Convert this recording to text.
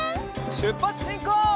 しゅっぱつしんこう！